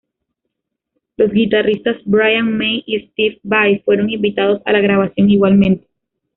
Los guitarristas Brian May y Steve Vai fueron invitados a la grabación igualmente.